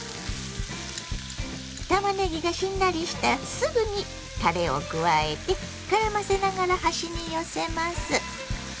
たまねぎがしんなりしたらすぐにたれを加えてからませながら端に寄せます。